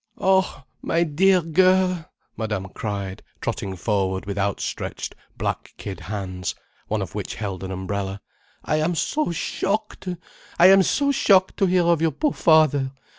"Oh, my dear girl!" Madame cried, trotting forward with outstretched black kid hands, one of which held an umbrella: "I am so shocked—I am so shocked to hear of your poor father.